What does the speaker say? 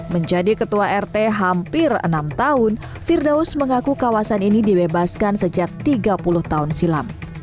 menjadi ketua rt hampir enam tahun firdaus mengaku kawasan ini dibebaskan sejak tiga puluh tahun silam